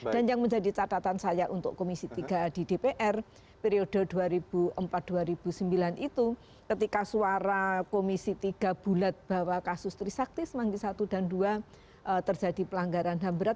dan yang menjadi catatan saya untuk komisi tiga di dpr periode dua ribu empat dua ribu sembilan itu ketika suara komisi tiga bulat bahwa kasus trisakti semanggi i dan ii terjadi pelanggaran dan berat